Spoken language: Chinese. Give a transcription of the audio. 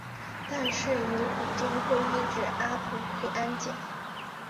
但是尼古丁会抑制阿朴奎胺碱。